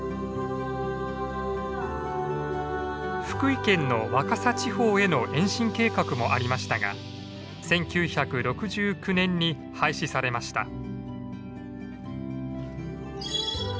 福井県の若狭地方への延伸計画もありましたが１９６９年に廃止されました。